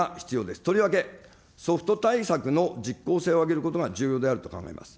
とりわけ、ソフト対策の実行性を上げることが重要であると考えます。